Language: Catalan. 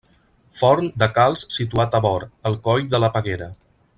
Forn de calç situat a Bor, al Coll de la Peguera.